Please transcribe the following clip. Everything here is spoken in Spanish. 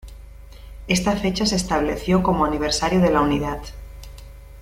Esta fecha se estableció como aniversario de la unidad.